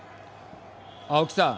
青木さん。